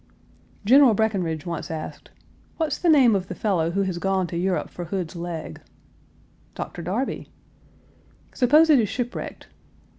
General Breckinridge once asked, "What's the name of the fellow who has gone to Europe for Hood's leg?" "Dr. Darby." "Suppose it is shipwrecked?"